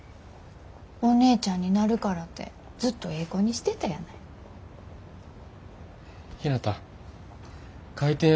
お姉ちゃんになるからてずっとええ子にしてたやない。